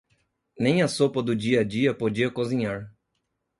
Nem a sopa do dia-a-dia podia cozinhar.